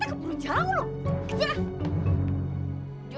kejar takut perlu jauh